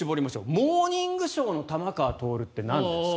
「モーニングショー」の玉川徹ってなんですか？